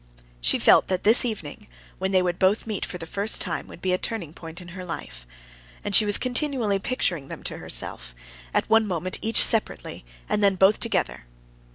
She felt that this evening, when they would both meet for the first time, would be a turning point in her life. And she was continually picturing them to herself, at one moment each separately, and then both together.